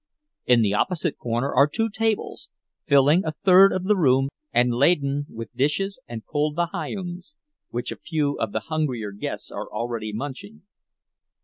In the opposite corner are two tables, filling a third of the room and laden with dishes and cold viands, which a few of the hungrier guests are already munching.